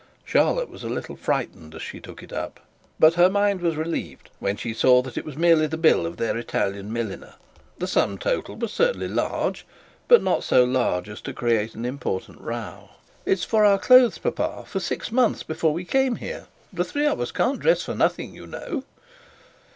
Charlotte was a little frightened as she took it up, but her mind was relieved when she saw that it was merely the bill of their Italian milliner. The sum total was certainly large, but not so large as to create an important row. 'It's for our clothes, papa, for six months before we came here. The three of us can't dress for nothing you know.'